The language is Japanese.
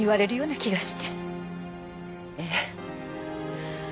ええ。